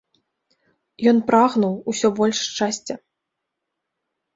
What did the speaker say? Ён прагнуў усё больш шчасця.